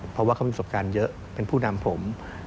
เพราะว่าเขามีประสบการณ์เยอะเป็นผู้นำผม